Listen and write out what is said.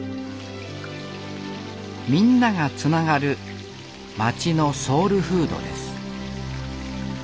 みんながつながる町のソウルフードです